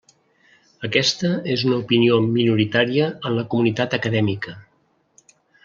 Aquesta és una opinió minoritària en la comunitat acadèmica.